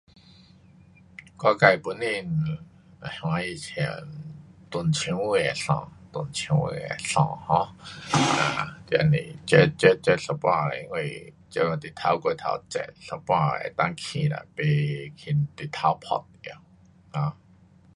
我住的位最看到最多的很呀是狗。也有野狗也有 um 屋里人养大狗。